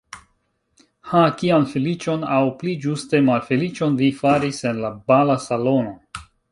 Ha, kian feliĉon, aŭ pli ĝuste malfeliĉon, vi faris en la bala salono!